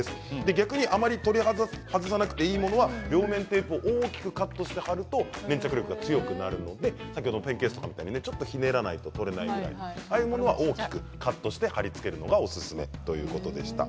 逆に、あまり取り外さなくてもいいものは両面テープを大きくカットして貼ると粘着力が強くなるので先ほどのペンケースみたいにちょっとひねらないと取れないものは、大きくカットして貼りつけるのがおすすめということでした。